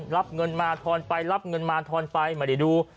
รับเงินมาทอนไปรับเงินมาทอนไปไม่ได้ดู